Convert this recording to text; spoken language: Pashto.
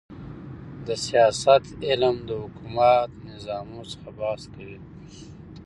د سیاست علم د حکومتي نظامو څخه بحث کوي.